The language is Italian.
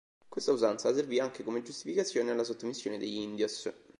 Questa usanza servì anche come giustificazione alla sottomissione degli Indios.